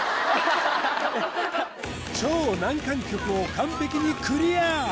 超難関曲を完璧にクリア